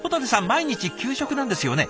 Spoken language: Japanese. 毎日給食なんですよね？